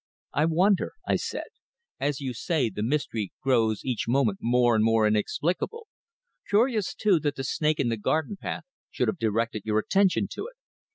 "I wonder," I said. "As you say, the mystery grows each moment more and more inexplicable. Curious, too, that the snake in the garden path should have directed your attention to it."